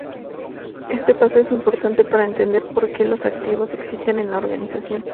Este paso es importante para entender porque los activos existen en la organización.